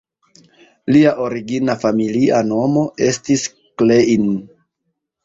Lia origina familia nomo estis "Klein".